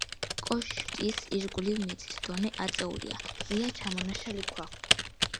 კოშკის ირგვლივ მიწის დონე აწეულია, ყრია ჩამონაშალი ქვა.